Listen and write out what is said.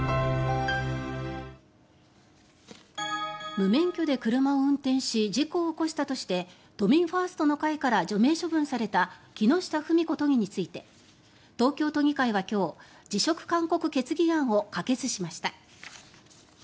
無免許で車を運転し事故を起こしたとして都民ファーストの会から除名処分された木下ふみこ都議について東京都議会は今日辞職勧告決議案を可決しました。